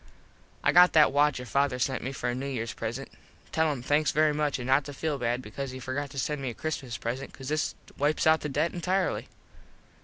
I got that watch your father sent me for a New Years present. Tell him thanks very much an not to feel bad because he forgot to send me a Christmas present cause this wipes out the debt entirely.